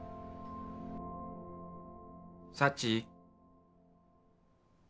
幸。